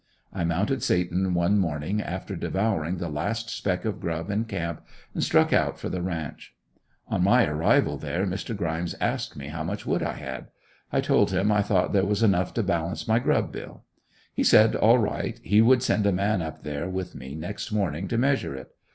I mounted Satan one morning after devouring the last speck of grub in camp and struck out for the ranch. On my arrival there Mr. Grimes asked me how much wood I had? I told him I thought there was enough to balance my grub bill. He said all right, he would send a man up there with me next morning to measure it.